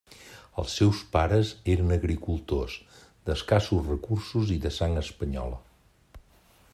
Els seus pares eren agricultors d'escassos recursos i de sang espanyola.